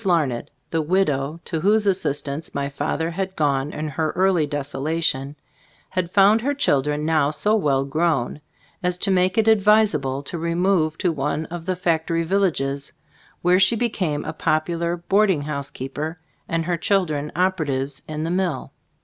Larned, the widow to whose as sistance my father had gone in her early desolation, had found her chil dren now so well grown as to make it advisable to remove to one of the fac tory villages, where she became a popular boarding house keeper, and her children operatives in the mill.